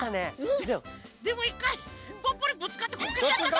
でもいっかいポッポにぶつかってこけちゃったから。